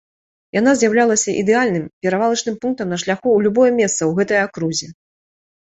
Яна з'яўлялася ідэальным перавалачным пунктам на шляху ў любое месца ў гэтай акрузе.